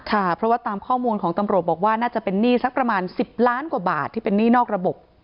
ค่ะเพราะว่าตามข้อมูลของตำรวจบอกว่าน่าจะเป็นหนี้สักประมาณ๑๐ล้านกว่าบาทที่เป็นหนี้นอกระบบ